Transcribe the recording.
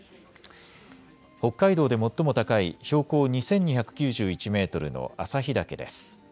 北海道で最も高い標高２２９１メートルの旭岳です。